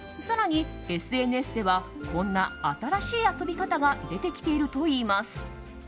更に、ＳＮＳではこんな新しい遊び方が出てきているといいます。